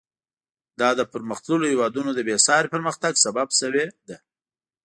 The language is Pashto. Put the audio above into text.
دا د پرمختللو هېوادونو د بېساري پرمختګ سبب شوې ده.